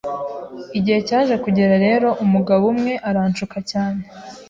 Igihe cyaje kugera rero umugabo umwe aranshuka cyane